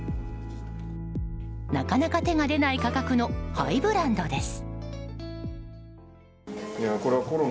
なかなか手が出ない価格のハイブランドです。